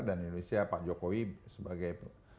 dan indonesia pak jokowi sebagai